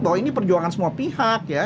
bahwa ini perjuangan semua pihak ya